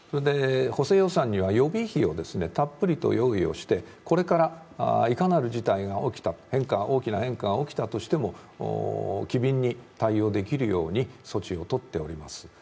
補正予算には予備費をたっぷりと用意をしてこれから、いかなる事態が起きて大きな変化が起きたとしても機敏に対応できるように措置をとっております